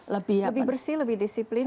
lebih bersih lebih disiplin